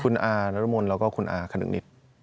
คุณอารมณ์แล้วก็คุณอาคณึกนิด